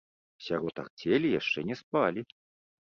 Сярод арцелі яшчэ не спалі.